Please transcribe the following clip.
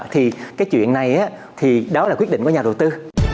thì cái chuyện này thì đó là quyết định của nhà đầu tư